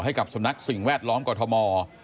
ให้กับสำนักสิ่งแวดล้อมกรทม